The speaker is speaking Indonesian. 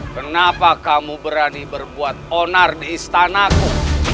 kenapa kamu berani berbuat onar di istanaku